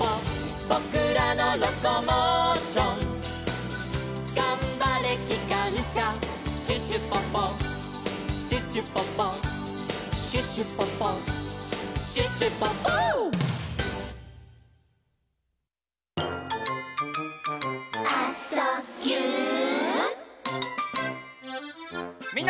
「ぼくらのロコモーション」「がんばれきかんしゃ」「シュシュポポシュシュポポ」「シュシュポポシュシュポポ」みんな。